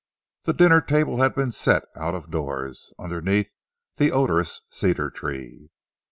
The dinner table had been set out of doors, underneath the odorous cedar tree.